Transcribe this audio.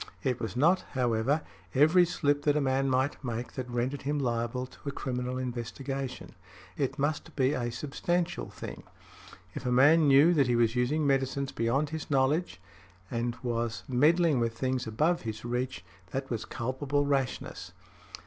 It was not, however, every slip that a man might make that rendered him liable to a criminal investigation. It must be a substantial thing. If a man knew that he was using medicines beyond his knowledge and was meddling with things above his reach, that was culpable rashness.